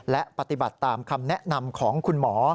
และปฏิบัติตามคำแนะนำของคุณหมอ